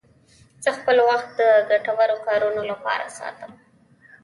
زه خپل وخت د ګټورو کارونو لپاره ساتم.